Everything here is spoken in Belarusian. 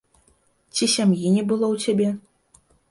Ці сям'і не было ў цябе?